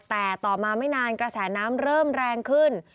แต่ต่อมาไม่นานกระแสน้ำเริ่มแรงขึ้น